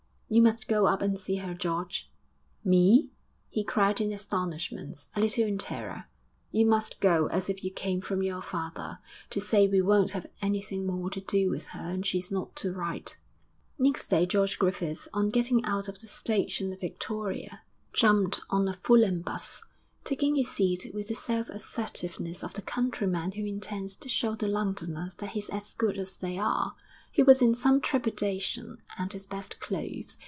'You must go up and see her, George!' 'Me!' he cried in astonishment, a little in terror. 'You must go as if you came from your father, to say we won't have anything more to do with her and she's not to write.' VII Next day George Griffith, on getting out of the station at Victoria, jumped on a Fulham 'bus, taking his seat with the self assertiveness of the countryman who intends to show the Londoners that he's as good as they are. He was in some trepidation and his best clothes.